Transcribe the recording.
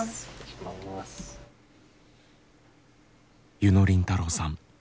柚野凜太郎さん。